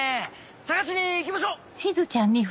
探しにいきましょう！